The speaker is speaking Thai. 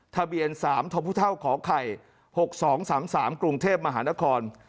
ทะเบียนสามทพุท่าของไข่หกสองสามสามกรุงเทพมหานคร